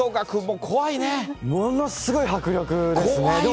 ものすごい迫力ですね。